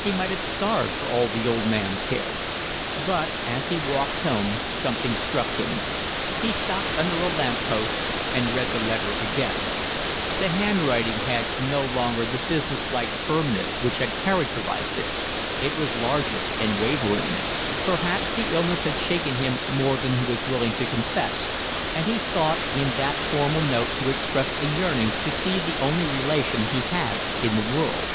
He might have starved for all the old man cared. But as he walked home something struck him; he stopped under a lamp post and read the letter again; the handwriting had no longer the business like firmness which had characterised it; it was larger and wavering: perhaps the illness had shaken him more than he was willing to confess, and he sought in that formal note to express a yearning to see the only relation he had in the world.